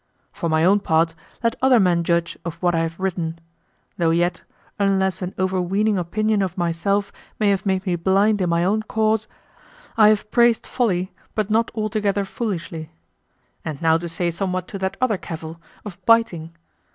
For my own part, let other men judge of what I have written; though yet, unless an overweening opinion of myself may have made me blind in my own cause, I have praised folly, but not altogether foolishly. And now to say somewhat to that other cavil, of biting.